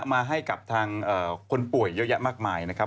มาให้กับทางคนป่วยเยอะแยะมากมายนะครับ